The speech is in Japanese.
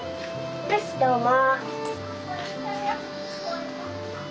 どうも。